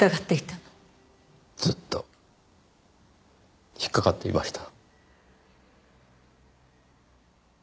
ずっと引っかかっていました。